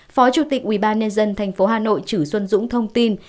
phó chủ tịch ubnd tp hà nội chử xuân dũng thông tin